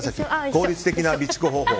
効率的な備蓄方法。